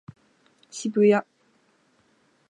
渋谷